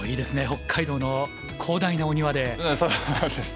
北海道の広大なお庭で。